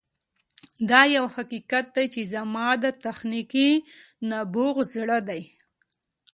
دا یو حقیقت دی چې زما د تخنیکي نبوغ زړه دی